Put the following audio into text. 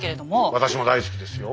私も大好きですよ。